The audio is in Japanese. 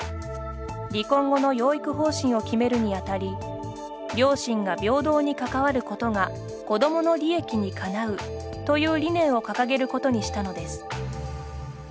離婚後の養育方針を決めるにあたり「両親が平等に関わることが子どもの利益にかなう」という理念を掲げることにしたのです。